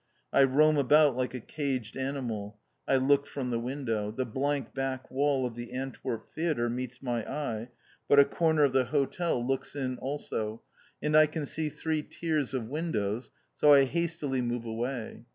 I roam about like a caged animal. I look from the window. The blank back wall of the Antwerp Theatre meets my eye, but a corner of the hotel looks in also, and I can see three tiers of windows, so I hastily move away.